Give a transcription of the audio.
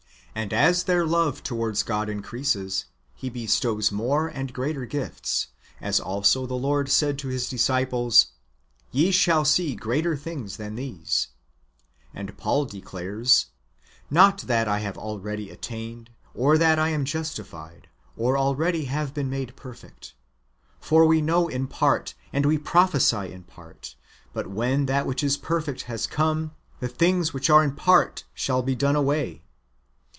And as their love towards God increases. He bestows more and greater [gifts] ; as also the Lord said to His disciples :" Ye shall see greater thino;s than these." ^ And Paul declares :" Not that I have already attained, or that I am justified, or already have been made perfect. For we know in part, and we prophesy in part; but when that which is perfect has come, the things which are in part shall be done away."